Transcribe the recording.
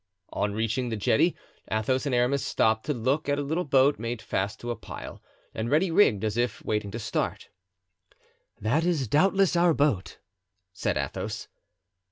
On reaching the jetty Athos and Aramis stopped to look at a little boat made fast to a pile and ready rigged as if waiting to start. "That is doubtless our boat," said Athos.